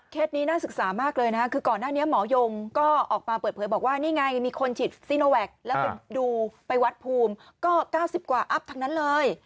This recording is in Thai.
นี้น่าศึกษามากเลยนะคือก่อนหน้านี้หมอยงก็ออกมาเปิดเผยบอกว่านี่ไงมีคนฉีดซีโนแวคแล้วไปดูไปวัดภูมิก็๙๐กว่าอัพทั้งนั้นเลย